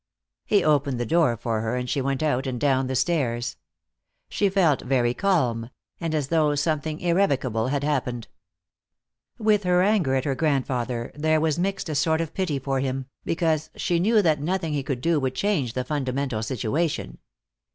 He opened the door for her and she went out and down the stairs. She felt very calm, and as though something irrevocable had happened. With her anger at her grandfather there was mixed a sort of pity for him, because she knew that nothing he could do would change the fundamental situation.